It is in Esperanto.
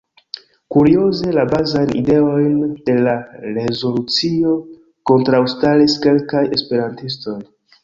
Kurioze, la bazajn ideojn de la rezolucio kontraŭstaris kelkaj esperantistoj.